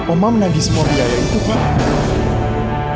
oma menagi semua biaya itu pak